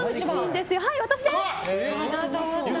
はい、私です！